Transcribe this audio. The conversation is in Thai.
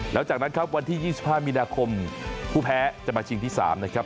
หลังจากนั้นครับวันที่๒๕มีนาคมผู้แพ้จะมาชิงที่๓นะครับ